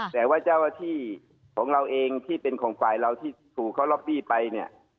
แต่ว่าเจ้าหน้าที่ของเราเองที่เป็นของฝ่ายเราที่ถูกเขาล็อบบี้ไปเนี่ย